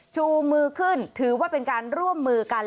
ชูมือขึ้นถือว่าเป็นการร่วมมือกัน